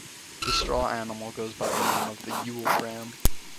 The straw-animal goes by the name of the Yule-ram.